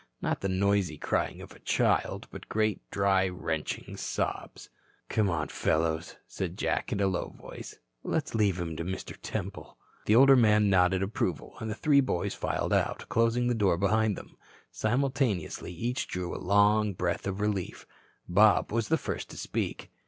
Not the noisy crying of a child but great, dry, wrenching sobs. "Come on, fellows," said Jack in a low voice. "Let's leave him to Mr. Temple." The older man nodded approval and the three boys filed out, closing the door behind them. Simultaneously each drew a long breath of relief. Bob was the first to speak.